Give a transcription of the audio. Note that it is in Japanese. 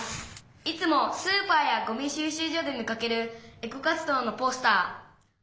「いつもスーパーやゴミしゅう集所で見かけるエコ活動のポスター」。